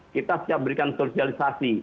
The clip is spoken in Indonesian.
kita siap memberikan sosialisasi